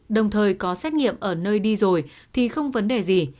đồng thời có xét nghiệm ở nơi đi rồi thì không vấn đề gì